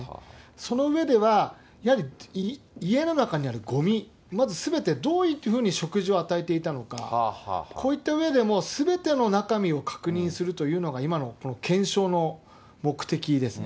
その上では、やはり家の中にあるごみ、まずすべてどういうふうに食事を与えていたのか、こういったうえでも、すべての中身を確認するというのが、今の検証の目的ですね。